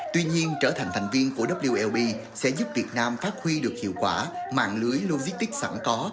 tuy nhiên trở thành thành viên của wlb sẽ giúp việt nam phát huy được hiệu quả mạng lưới logistics sẵn có